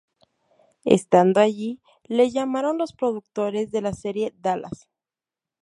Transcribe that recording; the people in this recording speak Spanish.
Estando allí, le llamaron los productores de la serie "Dallas".